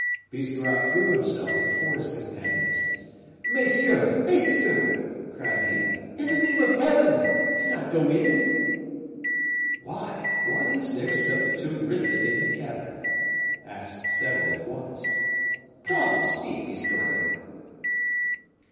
Biscarrat threw himself before his companions. "Messieurs! messieurs!" cried he, "in the name of Heaven! do not go in!" "Why, what is there so terrific in the cavern?" asked several at once. "Come, speak, Biscarrat."